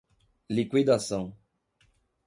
liquidação